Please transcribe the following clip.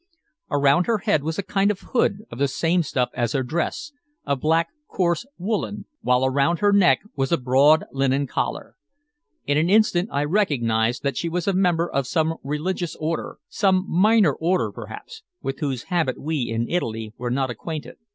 Around her head was a kind of hood of the same stuff as her dress, a black, coarse woolen, while around her neck was a broad linen collar. In an instant I recognized that she was a member of some religious order, some minor order perhaps, with whose habit we, in Italy, were not acquainted.